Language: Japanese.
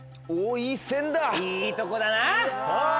いいとこだな！